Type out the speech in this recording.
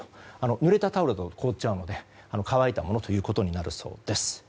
ぬれたタオルだと凍っちゃうので乾いたものということになるそうです。